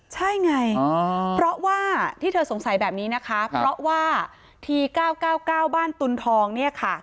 ใช่ไงเพราะว่าที่เธอสงสัยแบบนี้นะคะเพราะว่าที๙๙๙บ้านตุนทองเนี่ยค่ะ